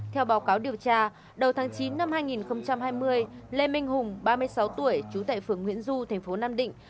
theo báo cáo điều tra đầu tháng chín năm hai nghìn hai mươi lê minh hùng ba mươi sáu tuổi chú tại phường nguyễn du tp nam định